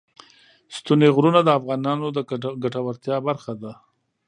ستوني غرونه د افغانانو د ګټورتیا برخه ده.